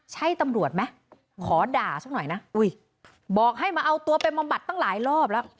ใช่ตำรวจไหมขอด่าสักหน่อยนะอุ้ยบอกให้มาเอาตัวไปบำบัดตั้งหลายรอบแล้ว